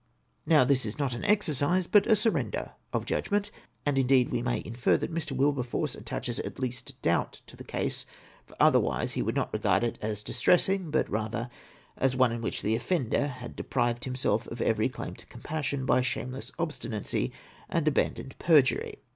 Now, this is not an exercise but a surrender of judgment; and, indeed, we may infer that Mr. Wilbeforce attaches at least doubt to the case, for otherwise he would not regard it as dis tressing, but rather as one in Avhich the offender had deprived himself of every claim to compassion, by shameless obstinacy and abandoned perjury.